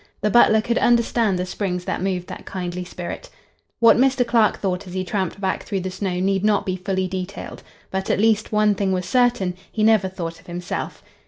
The butler could understand the springs that moved that kindly spirit. What Mr. Clark thought as he tramped back through the snow need not be fully detailed. But at least, one thing was certain, he never thought of himself.